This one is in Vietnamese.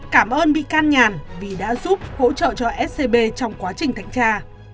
cảm ơn bị can nhàn vì đã giúp hỗ trợ cho scb trong quá trình thanh tra